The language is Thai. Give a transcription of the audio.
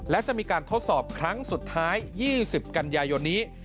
และจะมีการทดสอบครั้งสุดท้าย๒๐กันยายนนี้